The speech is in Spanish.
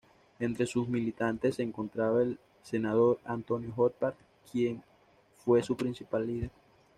Entre sus militantes se encontraba el senador Antonio Horvath, quien fue su principal líder.